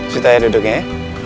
sita ya duduknya ya